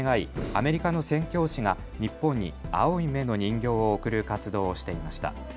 アメリカの宣教師が日本に青い目の人形を贈る活動をしていました。